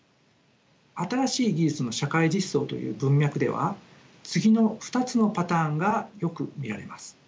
新しい技術の社会実装という文脈では次の２つのパターンがよく見られます。